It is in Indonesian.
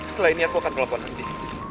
selain itu aku akan telepon andi